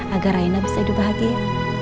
agar raina bisa hidup bahagia